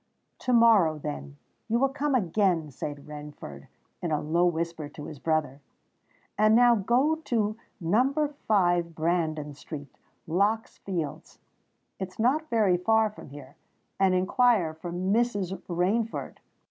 "To morrow, then, you will come again," said Rainford, in a low whisper to his brother. "And now go to No. 5, Brandon Street, Lock's Fields —it is not very far from here—and inquire for Mrs. Rainford."